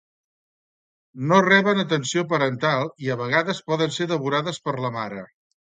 No reben atenció parental i a vegades poden ser devorades per la mare.